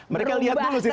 mereka lihat dulu situasinya